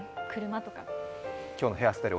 今日のヘアスタイル